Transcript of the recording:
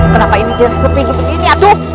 kenapa ini jari sepi begini atuh